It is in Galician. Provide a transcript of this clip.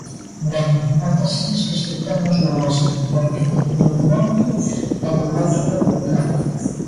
Ben, nótaselles que este tema os molesta, porque, evidentemente, teñen moito que ocultar.